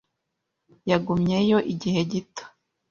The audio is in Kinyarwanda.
Yagumyeyo igihe gito.